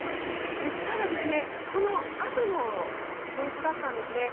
ただ、このあとの様子だったんですね。